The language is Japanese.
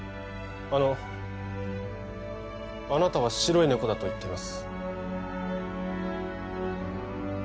あのあなたは白いねこだと言ってます